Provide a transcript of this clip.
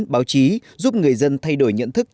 báo chí giúp người dân thay đổi nhận thức